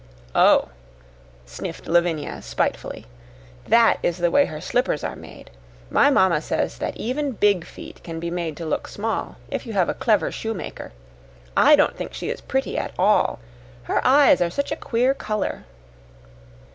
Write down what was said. "Oh," sniffed Lavinia, spitefully, "that is the way her slippers are made. My mamma says that even big feet can be made to look small if you have a clever shoemaker. I don't think she is pretty at all. Her eyes are such a queer color."